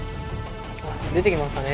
出てきましたね。